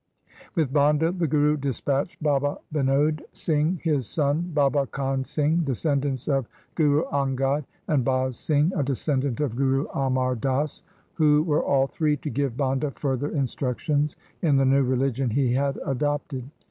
With Banda the Guru dispatched Baba Binod Singh, his son Baba Kahn Singh — descendants of Guru Angad — and Baz Singh, a descendant of Guru Amar Das, who were all three to give Banda further instructions in the new religion he had adopted.